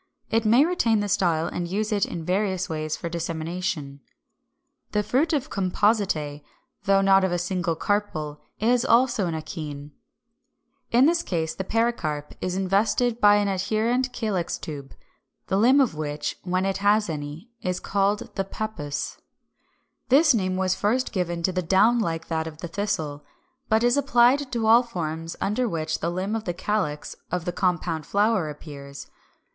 It may retain the style and use it in various ways for dissemination (Fig. 378). 360. The fruit of Compositæ (though not of a single carpel) is also an akene. In this case the pericarp is invested by an adherent calyx tube; the limb of which, when it has any, is called the PAPPUS. This name was first given to the down like that of the Thistle, but is applied to all forms under which the limb of the calyx of the "compound flower" appears.